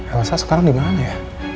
elsa sekarang dimana ya